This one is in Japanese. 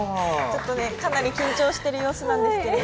かなり緊張している様子なんですけど。